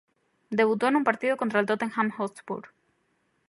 Debutó en un partido contra el Tottenham Hotspur.